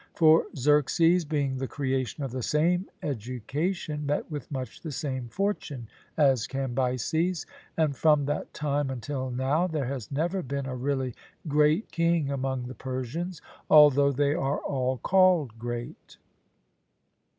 For Xerxes, being the creation of the same education, met with much the same fortune as Cambyses; and from that time until now there has never been a really great king among the Persians, although they are all called Great.